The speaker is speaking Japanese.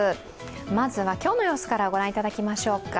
まずは今日の様子からご覧いただきましょうか。